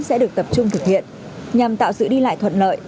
sẽ được tập trung thực hiện nhằm tạo sự đi lại thuận lợi